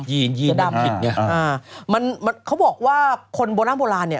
ยีนมันผิดไงอ่าอ่ามันมันเค้าบอกว่าคนโบราณเนี่ย